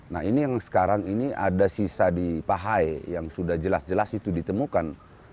nah ini yang sekarang ini ada sisa di pahai yang sudah jelas jelas itu ditemukan